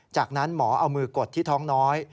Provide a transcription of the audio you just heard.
จากนั้นหมอเอามือกดที่ท้องน้อย